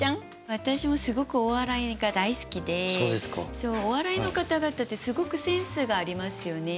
私もすごくお笑いが大好きでお笑いの方々ってすごくセンスがありますよね。